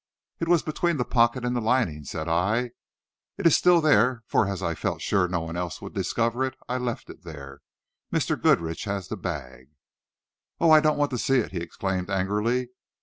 "It was between the pocket and the lining," said I; "it is there still, for as I felt sure no one else would discover it, I left it there. Mr. Goodrich has the bag." "Oh, I don't want to see it," he exclaimed angrily.